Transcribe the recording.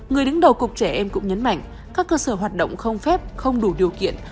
người đứng đầu cục trẻ em cũng nhấn mạnh các cơ sở hoạt động không phép không đủ điều kiện